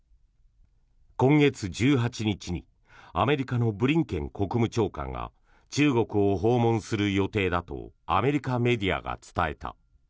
今月１８日にアメリカのブリンケン国務長官が中国を訪問する予定だとアメリカメディアが伝えた。